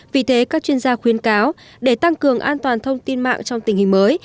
vì thế các chuyên gia khuyến cáo để tăng cường an toàn thông tin mạng trong tình hình mới